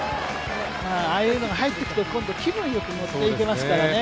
ああいうのが入ってくと今度は気分よくのっていきますからね。